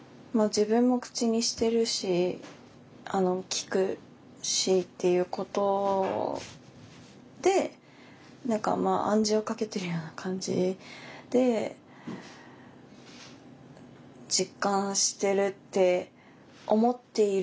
自分も口にしてるし聞くしっていうことで何か暗示をかけてるような感じで実感してるって思っている。